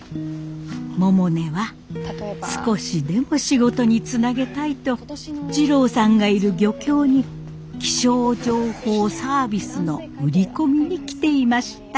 百音は少しでも仕事につなげたいと滋郎さんがいる漁協に気象情報サービスの売り込みに来ていました。